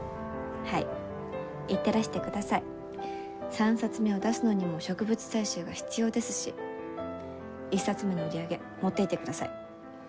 ３冊目を出すのにも植物採集が必要ですし１冊目の売り上げ持っていってください。